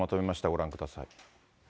ご覧ください。